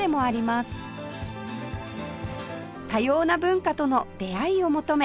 多様な文化との出会いを求め